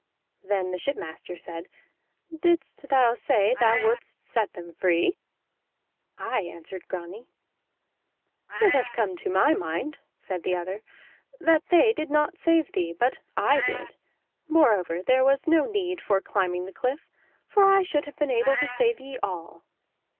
Then the shipmaster said: "Didst thou say thou wouldst set them free?" "Aye," answered Grani. "It hath come to my mind," said the other, "that they did not save thee, but I did. Moreover, there was no need for climbing the cliff, for I should have been able to save ye all."